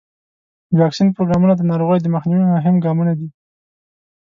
د واکسین پروګرامونه د ناروغیو د مخنیوي مهم ګامونه دي.